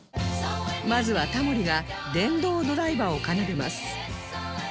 まずはタモリが電動ドライバーを奏でます